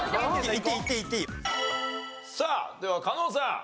さあでは加納さん。